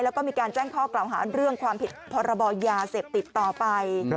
แล้วก็มีการแจ้งข้อกล่าวหาเรื่องความผิดพรบยาเสพติดต่อไป